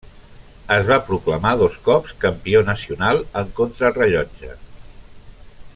Es va proclamar dos cops campió nacional en contrarellotge.